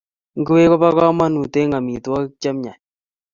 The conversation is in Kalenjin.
Ngwek kopo kamanut eng amitwogik chemiach